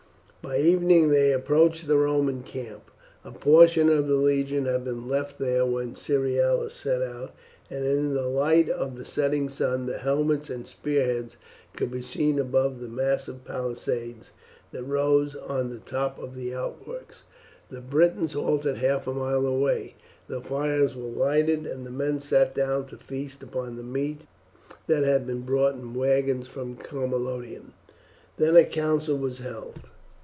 By evening they approached the Roman camp. A portion of the legion had been left there when Cerealis set out, and in the light of the setting sun the helmets and spearheads could be seen above the massive palisades that rose on the top of the outworks. The Britons halted half a mile away, fires were lighted, and the men sat down to feast upon the meat that had been brought in wagons from Camalodunum. Then a council was held.